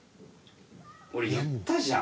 俺、言ったじゃん！